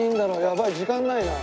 やばい時間ないな。